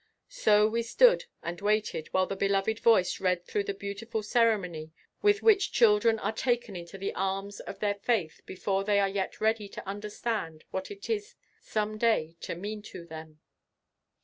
So we stood and waited while the beloved voice read through the beautiful ceremony with which children are taken into the arms of their faith before they are yet ready to understand what it is some day to mean to them.